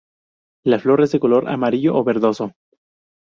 La flor es de color amarillo a verdoso.